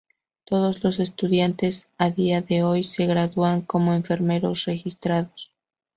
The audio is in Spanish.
Todos los estudiantes a día de hoy se gradúan como enfermeros registrados.